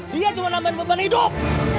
dia cuma nambahin beban hidup